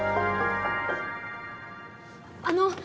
あの！